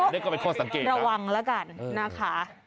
นี่ก็เป็นข้อสังเกตระวังแล้วกันนะคะ